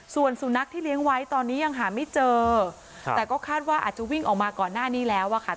ส่วนสุนัขที่เลี้ยงไว้ตอนนี้ยังหาไม่เจอแต่ก็คาดว่าอาจจะวิ่งออกมาก่อนหน้านี้แล้วอะค่ะ